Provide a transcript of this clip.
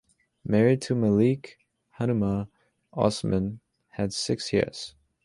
Married to Melek-hanuma, Osman had six heirs.